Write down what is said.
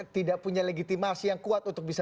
tidak punya legitimasi yang kuat untuk bisa